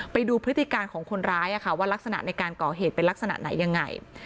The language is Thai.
ไปดูพฤติการของคนร้ายว่ารักษณะในการก่อเหตุเป็นลักษณะไหนยังไง